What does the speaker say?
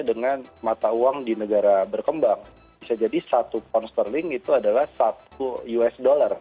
dengan mata uang di negara berkembang bisa jadi satu pound sterling itu adalah satu usd